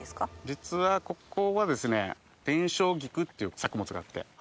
実はここはですね電照菊っていう作物があって。